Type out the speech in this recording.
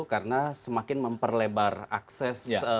karena semakin memperlebar akses